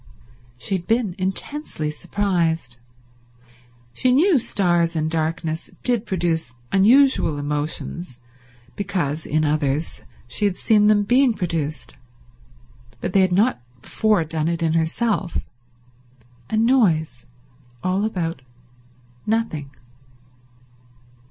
She had been intensely surprised. She knew stars and darkness did produce unusual emotions because, in others, she had seen them being produced, but they had not before done it in herself. A noise all about nothing.